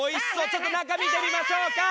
ちょっと中見てみましょうか！